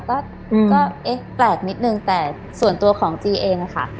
ก็เอ๊ะแปลกนิดนึงแต่ส่วนตัวของจีเองอะค่ะ